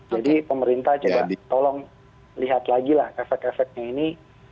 jadi pemerintah coba tolong lihat lagi lah efek efeknya ini